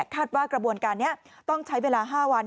กระบวนการนี้ต้องใช้เวลา๕วัน